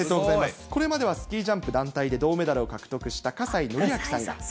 これまではスキージャンプ団体で銅メダルを獲得した葛西紀明さんが。